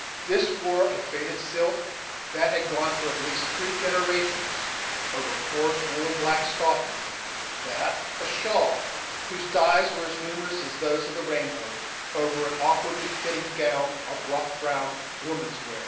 This wore a faded silk, that had gone through at least three generations, over coarse, woollen black stockings; that, a shawl, whose dyes were as numerous as those of the rainbow, over an awkwardly fitting gown of rough brown "woman's wear."